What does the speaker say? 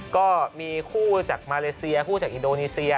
ก็มีคู่จากมาเลเซียคู่จากอินโดนีเซีย